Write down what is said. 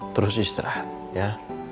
terus istirahat ya